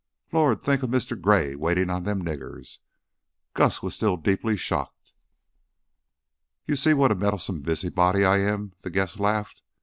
"Lord! Think of Mr. Gray waitin' on them niggers!" Gus was still deeply shocked. "You see what a meddlesome busybody I am," the guest laughed.